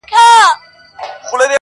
• کښېنولي یې په غم کي توتکۍ دي -